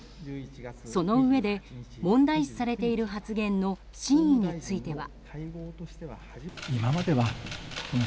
そのうえで問題視されている発言の真意については。